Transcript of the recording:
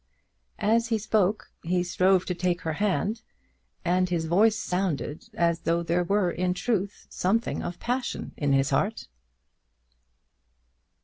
As he spoke he strove to take her hand, and his voice sounded as though there were in truth something of passion in his heart.